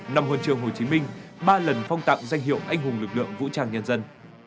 năm huân trường hồ chí minh ba lần phong tặng danh hiệu anh hùng lực lượng vũ trang nhân dân